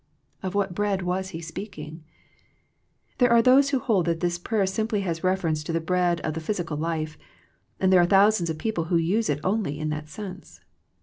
Of what bread was He speaking? There are those who hold that this prayer simply has reference to the bread of the physical life, and there are thousands of people who use it only in that sense.